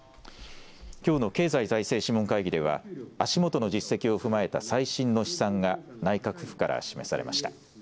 きょうの経済財政諮問会議では足元の実績を踏まえた最新の試算が内閣府から示されました。